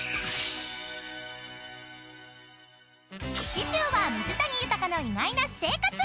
［次週は水谷豊の意外な私生活］